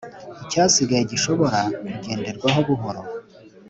icyasigaye gishobora kugenderwamo buhoro